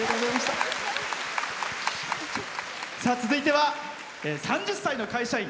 続いては３０歳の会社員。